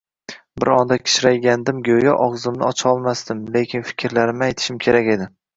Bir onda kichraygandim go‘yo, og‘zimni ocholmasdim lekin fikrlarimni aytishim kerak edi